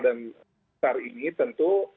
dan besar ini tentu